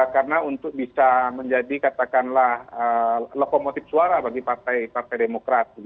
karena untuk bisa menjadi katakanlah lokomotif suara bagi partai demokrat